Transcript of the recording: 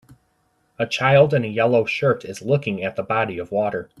A child in a yellow shirt is looking at the body of water.